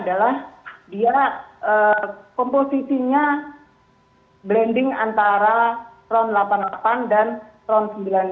adalah dia kompositinya blending antara ron delapan puluh delapan dan ron sembilan puluh dua